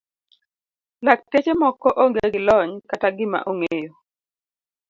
Lakteche moko onge gi lony kata gima ong'eyo.